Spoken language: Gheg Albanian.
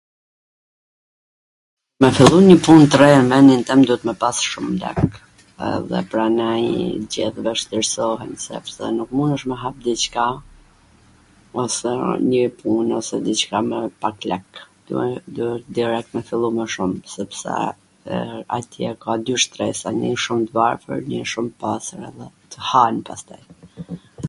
Me fillu njw pun t re n vendin twnd duet me pas shum lek edhe pranaj gjwrat vwshtirsohen sepse nuk munesh me hap diCka, ose njw pun ose diCka me pak lek, duhet direkt me fillu me shum, sepse atje ka dy shtresa, njw shum t varfwr, njw shum t pasur, edhe t han pastaj.